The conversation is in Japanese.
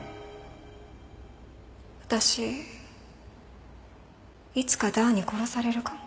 私いつかダーに殺されるかも。